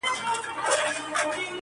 خدای مي تاج وو پر تندي باندي لیکلی،